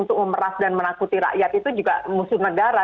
untuk memeras dan menakuti rakyat itu juga musuh negara